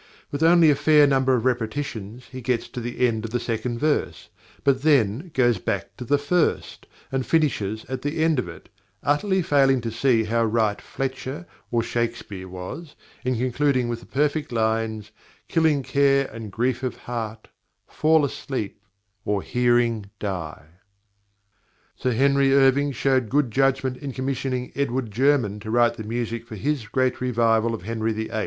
With only a fair number of repetitions he gets to the end of the second verse, but then goes back to the first, and finishes at the end of it, utterly failing to see how right Fletcher or Shakespeare was in concluding with the perfect lines, "Killing care and grief of heart, fall asleep or hearing die." Sir Henry Irving showed good judgment in commissioning +Edward German+ to write the music for his great revival of Henry VIII.